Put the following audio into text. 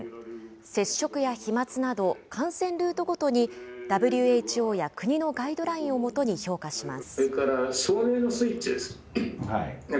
接触や飛まつなど、感染ルートごとに、ＷＨＯや国のガイドラインを基に評価します。